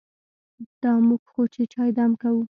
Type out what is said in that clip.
دا موږ خو چې چای دم کوو.